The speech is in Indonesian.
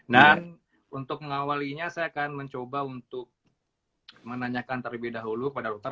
untuk mengawalinya saya akan mencoba untuk menanyakan terlebih dahulu pada dokter